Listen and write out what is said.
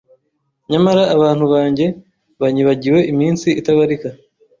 Nyamara abantu banjye banyibagiwe iminsi itabarika